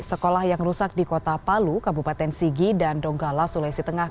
sekolah yang rusak di kota palu kabupaten sigi dan donggala sulawesi tengah